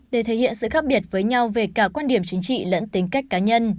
để thể hiện sự khác biệt với nhau về cả quan điểm chính trị lẫn tính cách cá nhân